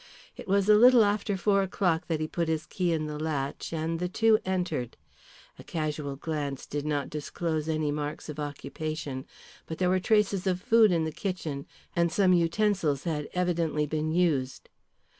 It was a little after four o'clock that he put his key in the latch, and the two entered. A casual glance did not disclose any marks of occupation, but there were traces of food in the kitchen and some utensils had evidently been used.